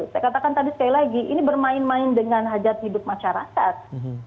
saya katakan tadi sekali lagi ini bermain main dengan hajat hidup masyarakat